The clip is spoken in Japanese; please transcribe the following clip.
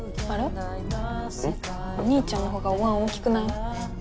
お兄ちゃんのほうがおわん大きくない？